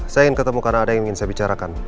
saya ingin ketemu karena ada yang ingin saya bicarakan